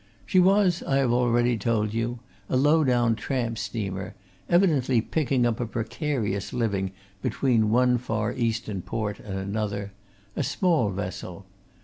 She was, I have already told you, a low down tramp steamer, evidently picking up a precarious living between one far Eastern port and another a small vessel.